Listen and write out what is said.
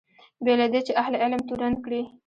بې له دې چې اهل علم تورن کړي.